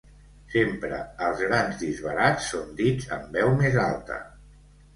Sempre els grans disbarats són dits amb veu més alta.